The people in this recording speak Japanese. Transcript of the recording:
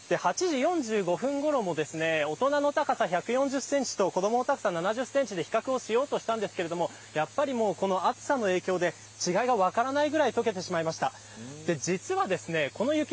８時４５分ごろも大人の高さ１４０センチと子どもの高さ７０センチで比較しようとしたんですがこの暑さの影響で違いが分からないぐらい解けてしまいました。